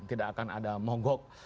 tidak akan ada mogok